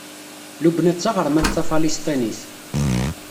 Lubna d taɣermant tafalesṭinit.